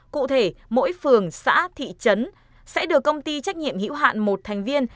cụ thể mỗi phường xã thị trấn sẽ được công ty trách nhiệm hữu hạn một thành viên